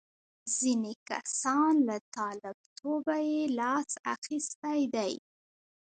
ځینې کسان له طالبتوبه یې لاس اخیستی دی.